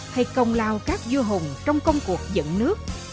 hay công lao các vua hùng trong công cuộc dựng nước